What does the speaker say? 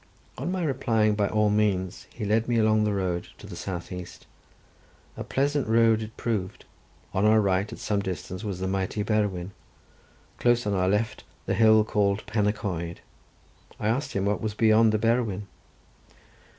On my replying by all means, he led me along the road to the south east. A pleasant road it proved: on our right at some distance was the mighty Berwyn; close on our left the hill called Pen y Coed. I asked him what was beyond the Berwyn?